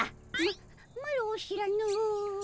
ママロ知らぬ。